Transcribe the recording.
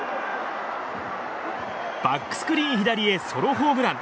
バックスクリーン左へソロホームラン！